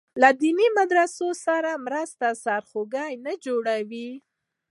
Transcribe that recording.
له دیني مدرسو سره مرسته سرخوږی نه جوړوي.